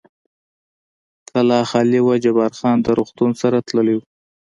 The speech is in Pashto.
کلا خالي وه، جبار خان د روغتون سره تللی و.